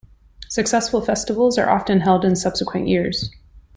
Successful festivals are often held in subsequent years.